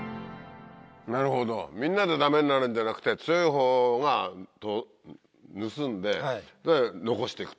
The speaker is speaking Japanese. なるほどみんなでダメになるんじゃなくて強いほうが盗んで残して行くと。